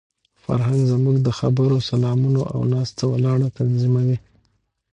فرهنګ زموږ د خبرو، سلامونو او ناسته ولاړه تنظیموي.